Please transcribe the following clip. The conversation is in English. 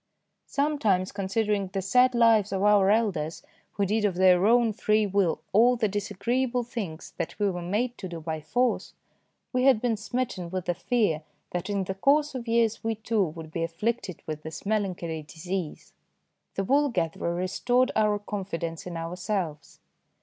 Sometimes, considering the sad lives of our elders who did of their own free will all the disagreeable things that we were made to do by force, we had been smitten with the fear that in the course of years we, too, would be afflicted with this melancholy disease. The wool gatherer restored our confidence in ourselves.